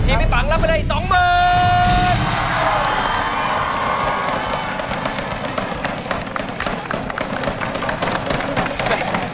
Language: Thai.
ทีมพี่ปังทำไปได้๒หมื่น